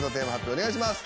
お願いします！